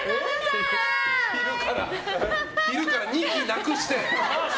昼から２機なくして。